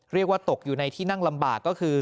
เรียกว่าตกอยู่ในที่นั่งลำบากก็คือ